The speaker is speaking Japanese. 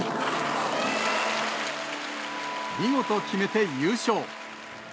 見事決めて優勝。